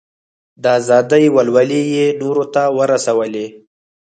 د ازادۍ ولولې یې نورو ته ور ورسولې.